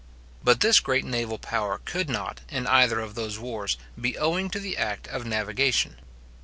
But this great naval power could not, in either of those wars, be owing to the act of navigation.